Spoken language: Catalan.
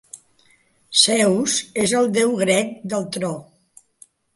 Zeus és el déu grec del tro.